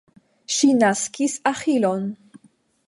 Ŝi naskis Aĥilon.